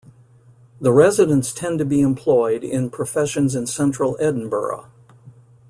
The residents tend to be employed in professions in central Edinburgh.